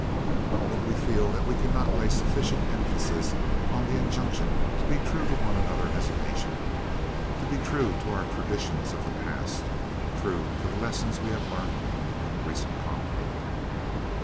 "But we feel that we cannot lay sufficient emphasis on the injunction to be true to one another as a nation, to be true to our traditions of the past, true to the lessons we have learnt in the recent conflict."